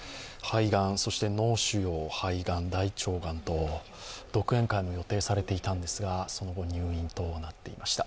肺がん、そして脳腫瘍、肺がん、大腸がんと独演会も予定されていたんですがその後入院となっていました。